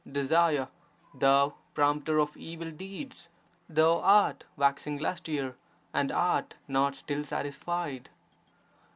Desire, thou prompter of evil deeds, thou art waxing lustier and art not still satisfied.